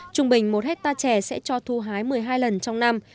trung bình một hectare trẻ sẽ cho thu hái một mươi hai lần trong năm